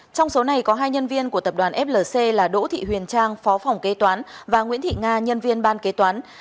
trong số này có hai nhân viên của tập đoàn flc là đỗ thị huyền trang phó phòng kế toán và nguyễn thị nga nhân viên ban kế toán